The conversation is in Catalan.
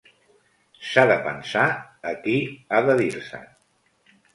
S'ha de pensar a qui ha de dir-se.